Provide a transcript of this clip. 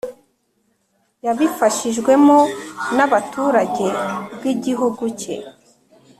Yabifashijwemo n abaturage bw igihugu ke